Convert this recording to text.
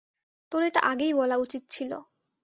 তোর এটা আগেই বলা উচিৎ ছিল।